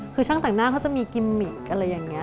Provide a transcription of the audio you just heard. คือช่างแต่งหน้าเขาจะมีกิมมิกอะไรอย่างนี้